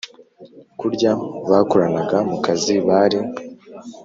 kurya bakoranaga mukazi bari